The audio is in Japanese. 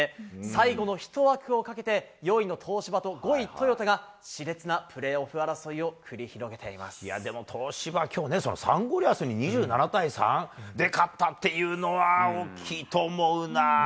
最後の１枠をかけて４位の東芝と５位トヨタが、しれつなプレーオでも東芝、きょうね、サンゴリアスに２７対３で勝ったっていうのは大きいと思うなー。